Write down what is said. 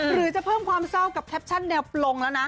หรือจะเพิ่มความเศร้ากับแคปชั่นแนวปลงแล้วนะ